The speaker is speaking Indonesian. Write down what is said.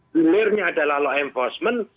hilirnya adalah law enforcement